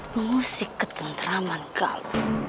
mengusik ketentraman kau